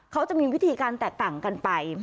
เขาจะมีวิธีการแตกต่างกันไป